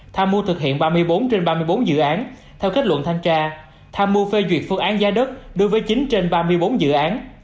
tham mưu thực hiện ba mươi bốn trên ba mươi bốn dự án theo kết luận thanh tra tham mưu phê duyệt phương án giá đất đối với chín trên ba mươi bốn dự án